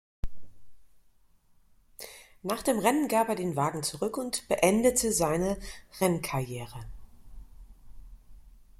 Nach dem Rennen gab er den Wagen zurück und beendete seine Rennkarriere.